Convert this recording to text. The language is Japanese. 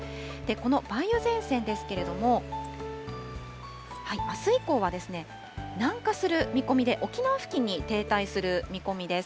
この梅雨前線ですけれども、あす以降は南下する見込みで、沖縄付近に停滞する見込みです。